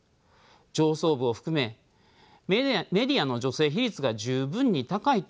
上層部を含めメディアの女性比率が十分に高いとは思えません。